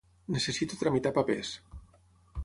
Necessito tramitar papers.